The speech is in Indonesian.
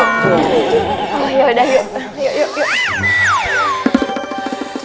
oh ya udah yuk